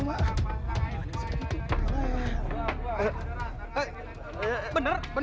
di mana den